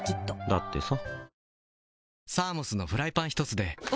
だってさ